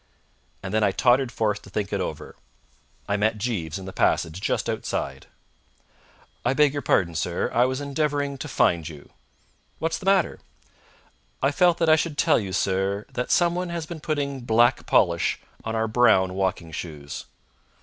And then I tottered forth to think it over. I met Jeeves in the passage just outside. "I beg your pardon, sir. I was endeavouring to find you." "What's the matter?" "I felt that I should tell you, sir, that somebody has been putting black polish on our brown walking shoes."